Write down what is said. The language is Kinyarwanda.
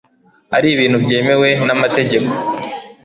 ari ibintu byemewe n'amategeko